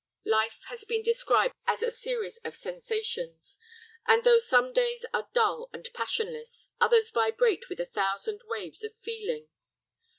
Life has been described as a series of sensations; and though some days are dull and passionless, others vibrate with a thousand waves of feeling.